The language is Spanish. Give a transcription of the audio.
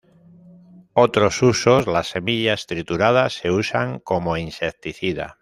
Otros usos: Las semillas trituradas se usan como insecticida.